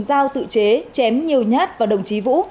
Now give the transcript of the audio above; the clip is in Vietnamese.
dao tự chế chém nhiều nhát vào đồng chí vũ